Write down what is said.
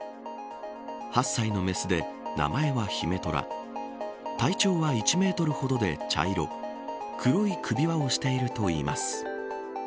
８歳の雌で名前はヒメトラ体長は１メートルほどで茶色黒い首輪をしているといいます。